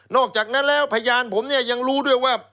อกจากนั้นแล้วพยานผมเนี่ยยังรู้ด้วยว่า